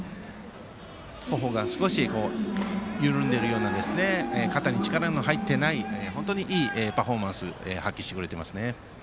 頬が少し緩んでいるような肩に力の入っていないいいパフォーマンスを発揮してくれていますね。